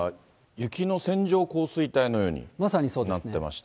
雪の線状降水帯のようになってまして。